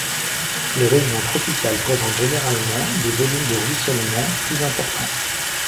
Les régions tropicales présentent généralement des volumes de ruissellement plus importants.